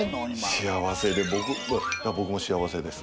幸せで僕も幸せです。